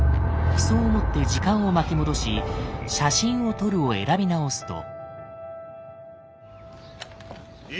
そう思って時間を巻き戻し「写真を撮る」を選び直すと。